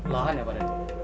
lah ada pada itu